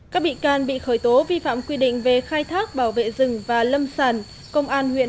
các bị can bị khởi tố vi phạm quy định về khai thác bảo vệ rừng và lâm sản công an huyện